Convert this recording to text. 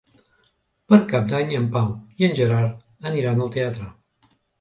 Per Cap d'Any en Pau i en Gerard aniran al teatre.